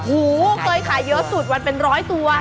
เกิดขายเยอะสุดก็มันเป็น๑๐๐ตัว